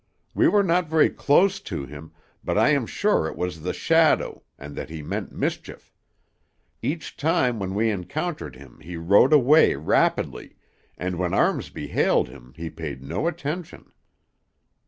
We were not very close to him, but I am sure it was the shadow, and that he meant mischief. Each time when we encountered him he rowed away rapidly, and when Armsby hailed him he paid no attention."